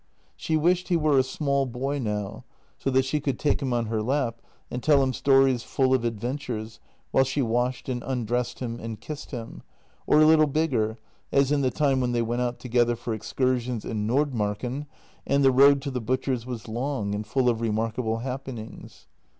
She wished he were a small boy now, so that she could take him on her lap and tell him stories full of adventures while she washed and undressed him and kissed him — or a little bigger, as in the time when they went out together for excursions in Nordmarken, and the road to the butcher's was long and full of remarkable happenings.